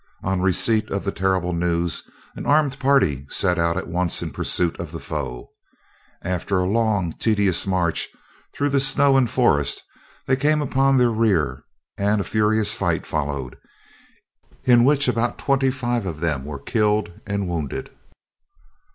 On receipt of the terrible news, an armed party set out at once in pursuit of the foe. After a long tedious march through the snow and forest, they came upon their rear, and a furious fight followed, in which about twenty five of them were killed and wounded.